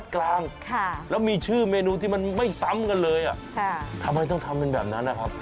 กลางแล้วมีชื่อเมนูที่มันไม่ซ้ำกันเลยทำไมต้องทำเป็นแบบนั้นนะครับ